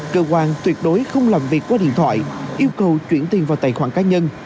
cơ quan tuyệt đối không làm việc qua điện thoại yêu cầu chuyển tiền vào tài khoản cá nhân